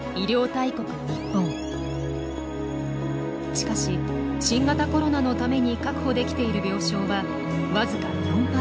しかし新型コロナのために確保できている病床は僅か４％。